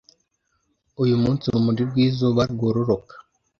Uyu munsi urumuri rw'izuba rwororoka